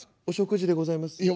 「お食事でございます」。